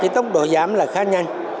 tốc độ giám là khá nhanh